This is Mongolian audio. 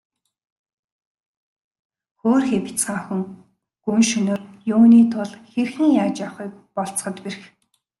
Хөөрхий бяцхан охин гүн шөнөөр юуны тул хэрхэн яаж явахыг болзоход бэрх.